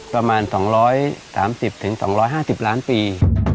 ประมาณ๒๓๐๒๕๐ล้านปี